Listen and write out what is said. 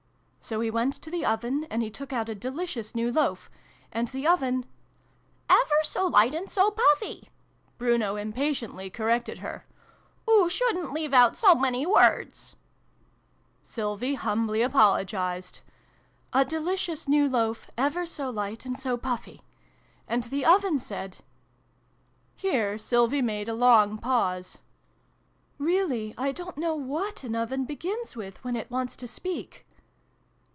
So he went to the Oven, and he took out a delicious new Loaf. And the Oven " ever so light and so puffy!" Bruno impatiently corrected her " Oo shouldn't leave out so many words !" Sylvie humbly apologised. " a delicious new Loaf, ever so light and so puffy. And the Oven said Here Sylvie made a long pause. " Really I don't know what an Oven begins with, when it wants to speak